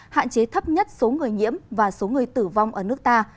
hạn chế thấp nhất số người nhiễm và số người tử vong ở nước ta